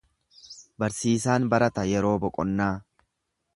Barsiisaan barata yeroo boqonnaa.